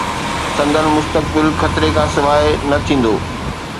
سندن مستقبل خطري کان سواء نه ٿيندو.